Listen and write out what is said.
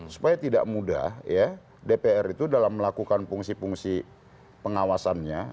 supaya tidak mudah ya dpr itu dalam melakukan fungsi fungsi pengawasannya